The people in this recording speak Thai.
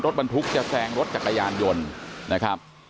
รถบรรทุกจะแสงรถจักรยานยนต์